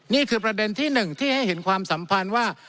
นี่คือประเด็นที่๑ที่ให้เห็นความสัมพันธ์ว่า